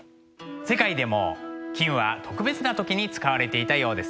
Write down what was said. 世界でも金は特別な時に使われていたようです。